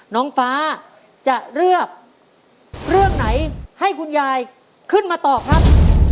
น้องฟ้าจะเลือกเรื่องไหนให้คุณยายขึ้นมาตอบครับ